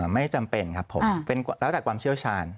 ไม่จำเป็นครับผมแล้วแต่ความเชี่ยวชาญ